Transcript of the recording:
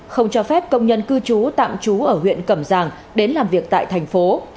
không cho phép công nhân cư trú tạm trú ở huyện cẩm giang đến làm việc tại thành phố